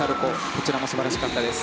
こちらも素晴らしかったです。